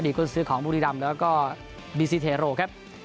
อดีตคุณซื้อของบุรีรัมแล้วก็บิซิเทโรครับ